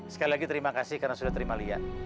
sekali lagi terima kasih karena sudah terima lihat